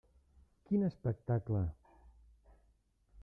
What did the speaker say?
Quin espectacle!